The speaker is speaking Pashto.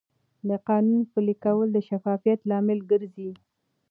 د قانون پلي کول د شفافیت لامل ګرځي.